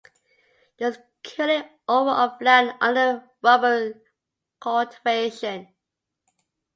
There is currently over of land under rubber cultivation.